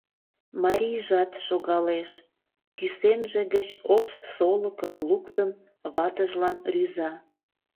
Марийжат шогалеш, кӱсенже гыч ош солыкым луктын, ватыжлан рӱза.